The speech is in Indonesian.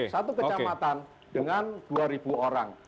satu kecamatan dengan dua orang